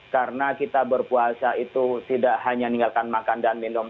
karena kita berpuasa itu tidak hanya meninggalkan makan dan minum